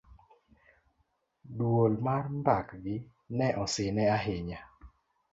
dwol mar mbakgi ne osine ahinya